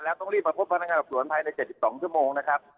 แล้วต้องรีบมาพบพนักงานสอบสวนภายใน๗๒ชั่วโมงนะครับ